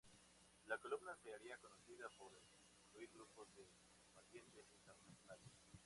La columna se haría conocida por incluir grupos de combatientes internacionales.